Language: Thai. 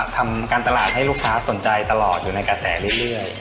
ทำการตลาดให้ลูกค้าสนใจตลอดอยู่ในกระแสเรื่อย